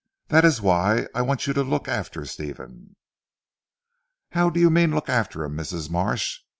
That is why I want you to look after Stephen." "How do you mean look after him Mrs. Marsh."